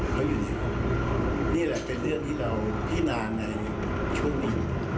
เขาอยู่นี่แหละเป็นเรื่องที่เราพินาในช่วงนี้